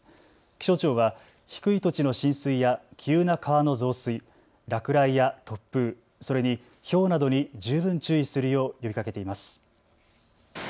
気象庁は低い土地の浸水や急な川の増水、落雷や突風、それにひょうなどに十分注意するよう呼びかけています。